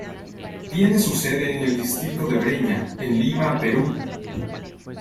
Tiene su sede en el distrito de Breña, en Lima, Perú.